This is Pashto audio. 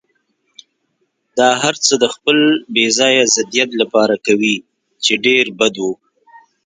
دا هرڅه د خپل بې ځایه ضدیت لپاره کوي، چې ډېر بد و.